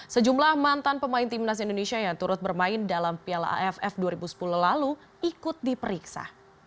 sejumlah mantan pemain timnas indonesia yang turut bermain dalam piala aff dua ribu sepuluh lalu ikut diperiksa